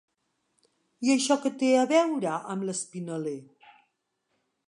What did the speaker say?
I això què té a veure, amb l'Espinaler?